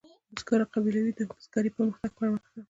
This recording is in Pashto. بزګرو قبیلو د بزګرۍ په پرمختګ تمرکز وکړ.